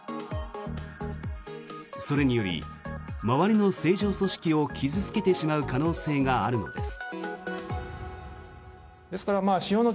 それにより周りの正常組織を傷付けてしまう可能性があるのです。